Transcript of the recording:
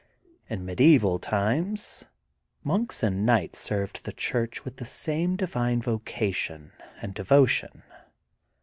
In medieval times monks and knights served the Church with the same divine vocation and devotion.